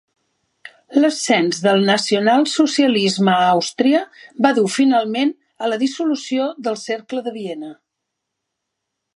L'ascens del nacionalsocialisme a Àustria va dur finalment a la dissolució del cercle de Viena.